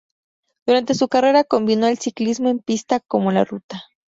Durante su carrera combinó el ciclismo en pista como la ruta.